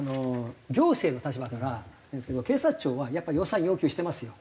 行政の立場からなんですけど警察庁はやっぱり予算要求してますよ。